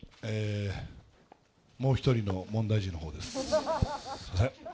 もう１人の問題児のほうです。